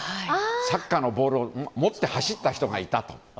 サッカーのボールを持って走った人がいたと。